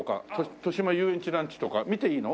豊島遊園地ランチとか見ていいの？